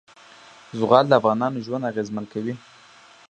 زغال د افغانانو ژوند اغېزمن کوي.